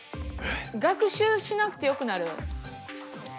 学習しなくてよくなる。